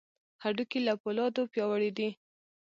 هډوکي له فولادو پیاوړي دي.